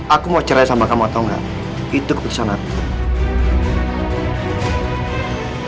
aku mau cerai sama kamu atau enggak itu keputusan aku